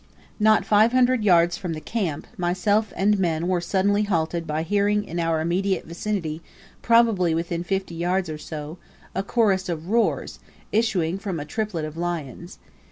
Not five hundred yards from the camp, myself and men were suddenly halted by hearing in our immediate vicinity, probably within fifty yards or so, a chorus of roars, issuing from a triplet of lions.